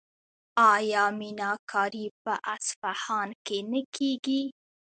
آیا میناکاري په اصفهان کې نه کیږي؟